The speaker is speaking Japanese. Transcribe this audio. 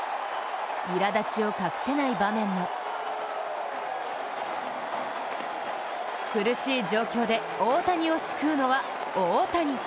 いらだちを隠せない場面も苦しい状況で、大谷を救うのは、大谷。